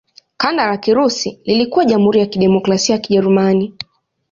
Kanda la Kirusi lilikuwa Jamhuri ya Kidemokrasia ya Kijerumani.